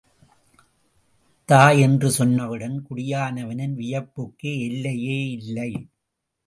தாய் என்று சொன்னவுடன் குடியானவனின் வியப்புக்கு எல்லையே இல்லை.